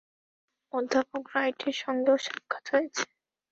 অধ্যাপক রাইটের সঙ্গেও সাক্ষাৎ হয়েছে।